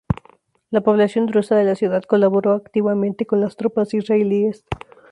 La población drusa de la ciudad colaboró activamente con las tropas israelíes.